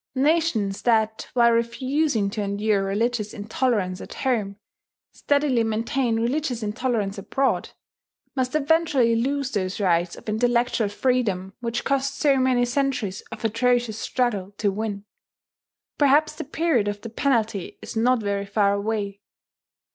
Nations that, while refusing to endure religious intolerance at home, steadily maintain religious intolerance abroad, must eventually lose those rights of intellectual freedom which cost so many centuries of atrocious struggle to win. Perhaps the period of the penalty is not very far away.